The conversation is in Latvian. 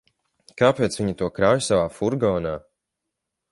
Kāpēc viņa to krauj savā furgonā?